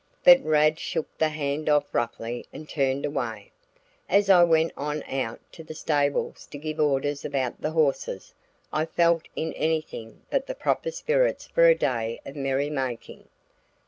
But Rad shook the hand off roughly and turned away. As I went on out to the stables to give orders about the horses, I felt in anything but the proper spirits for a day of merry making.